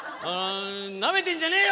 なめてんじゃねえよ